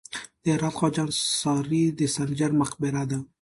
د هرات خواجه انصاري د سنجر مقبره ده